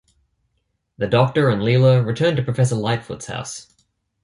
The Doctor and Leela return to Professor Litefoot's house.